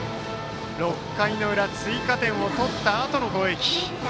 ６回裏追加点を取ったあとの攻撃。